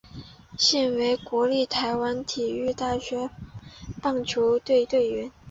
现为国立台湾体育大学棒球队队员。